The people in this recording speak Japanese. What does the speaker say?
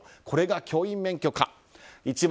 これが教員免許かあ。